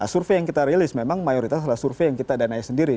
survei yang kita rilis memang mayoritas adalah survei yang kita danai sendiri